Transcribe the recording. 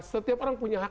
setiap orang punya hak